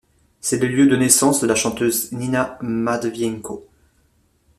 C'est le lieu de naissance de la chanteuse Nina Matvienko.